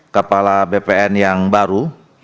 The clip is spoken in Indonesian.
kepala bpn yang baru